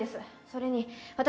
それに私